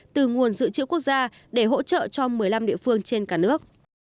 từ nguồn dự trữ quốc gia để hỗ trợ cho một mươi năm địa phương trên cả nước